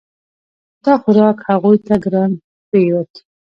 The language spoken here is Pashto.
دا خوراک هغوی ته ګران پریوت.